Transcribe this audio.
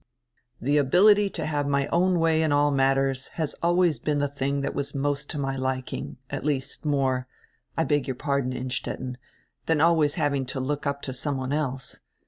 "The ability to have my own way in all matters has always been the tiling that was most to my liking, at least more — I beg your pardon, Innstetten — than always having to look up to some one else.